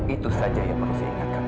itu saja yang perlu saya ingatkan